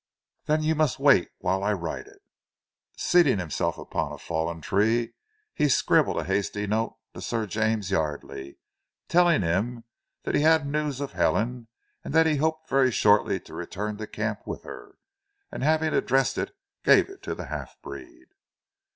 "Then you must wait whilst I write it." Seating himself upon a fallen tree he scribbled a hasty note to Sir James Yardely, telling him that he had news of Helen and that he hoped very shortly to return to camp with her, and having addressed it gave it to the half breed.